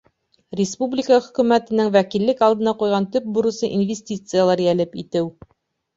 — Республика Хөкүмәтенең вәкиллек алдына ҡуйған төп бурысы — инвестициялар йәлеп итеү.